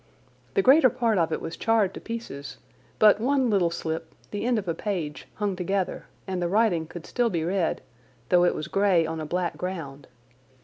The greater part of it was charred to pieces, but one little slip, the end of a page, hung together, and the writing could still be read, though it was grey on a black ground.